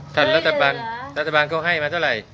รัฐบาลรัฐบาลเขาให้มาเท่าไหร่